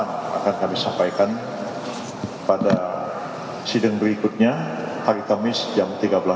akan kami sampaikan pada sidang berikutnya hari kamis jam tiga belas